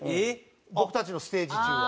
僕たちのステージ中は。